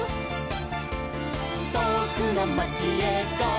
「とおくのまちへゴー！